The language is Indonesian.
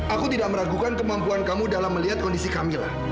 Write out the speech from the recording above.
aku tidak meragukan kemampuan kamu dalam melihat kondisi kamila